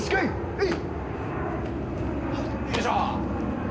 はい。